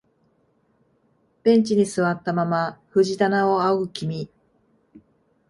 ベンチに座ったまま藤棚を仰ぐ君、